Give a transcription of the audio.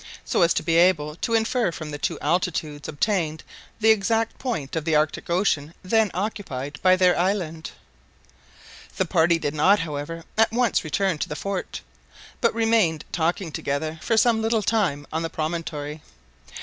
so as to be able to infer from the two altitudes obtained the exact point of the Arctic Ocean then occupied by their island. The party did not, however, at once return to the fort, but remained talking together for some little time on the promontory.